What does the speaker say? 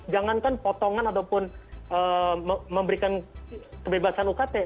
jangankan potongan ataupun memberikan kebebasan ukt